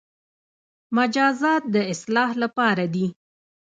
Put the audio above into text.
مجازات د اصلاح لپاره دي